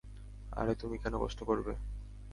আরে তুমি কেন কষ্ট করবে?